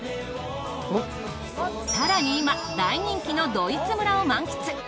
更に今大人気のドイツ村を満喫。